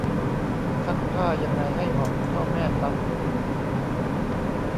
ซักผ้ายังไงให้หอมเท่าแม่ซัก